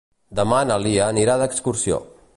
Demà na Lia anirà d'excursió.